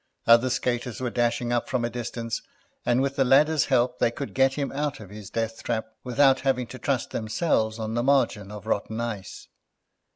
Other skaters were dashing up from a distance, and, with the ladder's help, they could get him out of his death trap without having to trust themselves on the margin of rotten ice.